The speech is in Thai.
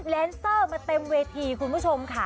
สุดยอดเลยคุณผู้ชมค่ะบอกเลยว่าเป็นการส่งของคุณผู้ชมค่ะ